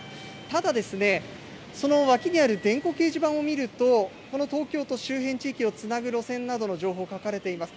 ただですね、その脇にある電光掲示板を見ると、この東京と周辺地域をつなぐ路線の情報書かれています。